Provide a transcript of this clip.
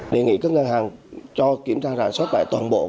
đề nghị các ngân hàng cho kiểm tra rải sốt bài toàn bộ